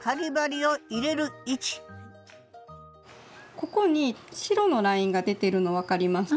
ここに白のラインが出てるの分かりますか？